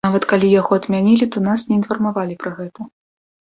Нават калі яго адмянілі, то нас не інфармавалі пра гэта.